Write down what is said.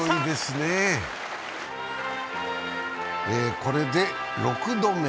これで６度目。